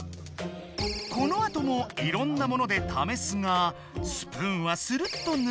このあともいろんなものでためすがスプーンはスルッとぬけてしまう。